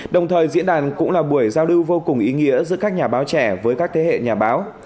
đồng thời diễn đàn cũng là buổi giao lưu vô cùng ý nghĩa giữa các nhà báo trẻ với các thế hệ nhà báo